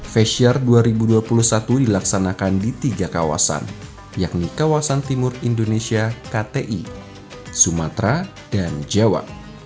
festiar dua ribu dua puluh satu dilaksanakan di tiga kawasan yakni kawasan timur indonesia kti sumatera dan jawa